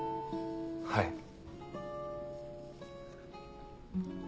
はい。